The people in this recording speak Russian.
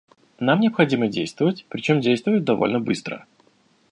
Нам необходимо действовать, причем действовать довольно быстро.